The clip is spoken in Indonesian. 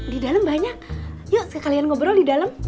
di dalem banyak yuk sekalian ngobrol di dalem